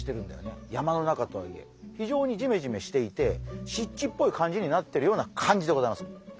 非常にじめじめしていて湿地っぽい感じになってるような感じでございます。